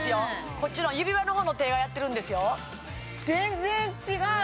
こっちの指輪の方の手をやってるんですよ全然違う！